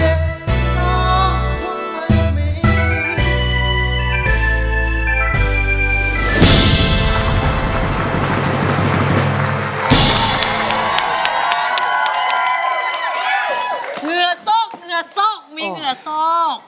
เหงื่อซอกมีเหงื่อซอก